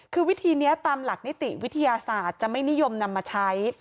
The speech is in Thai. คือวิธีนี้ตามหลักนิติวิทยาศาสตร์จะไม่นิยมนำมาใช้